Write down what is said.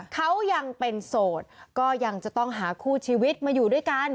เขายังเป็นโสดก็ยังจะต้องหาคู่ชีวิตมาอยู่ด้วยกัน